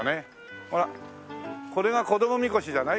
ほらこれがこども神輿じゃない？